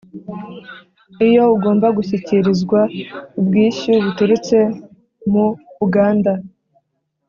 Iyo ugomba gushyikirizwa ubwishyu buturutse mu uganda